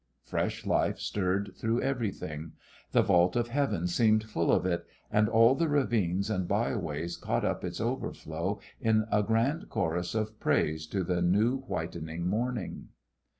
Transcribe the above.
Fresh life stirred through everything. The vault of heaven seemed full of it, and all the ravines and by ways caught up its overflow in a grand chorus of praise to the new whitening morning.